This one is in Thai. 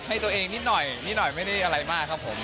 ให้ตัวเองนิดหน่อยนิดหน่อยไม่ได้อะไรมากครับผม